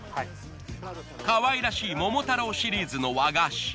かわいらしい桃太郎シリーズの和菓子。